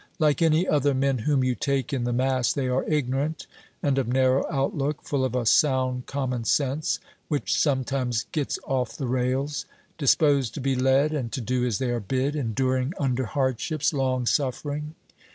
Like any other men whom you take in the mass, they are ignorant and of narrow outlook, full of a sound common sense which some times gets off the rails disposed to be led and to do as they are bid, enduring under hardships, long suffering.